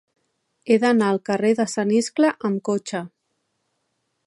He d'anar al carrer de Sant Iscle amb cotxe.